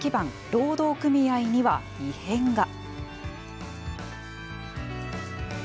労働組合には異変が。